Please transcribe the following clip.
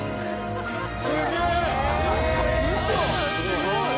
すごい！